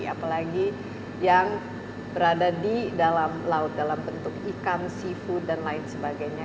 apalagi yang berada di dalam laut dalam bentuk ikan seafood dan lain sebagainya